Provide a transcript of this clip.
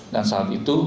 dan saat itu